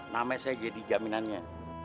namanya saya jadi jaminannya